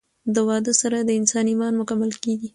د واده سره د انسان ايمان مکمل کيږي